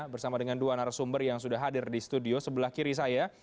bersama dengan dua narasumber yang sudah hadir di studio sebelah kiri saya